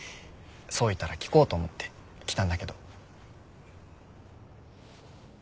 想いたら聞こうと思って来たんだけど。